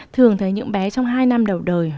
thường thấy những bé trong hai năm đầu đời